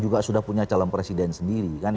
juga sudah punya calon presiden sendiri kan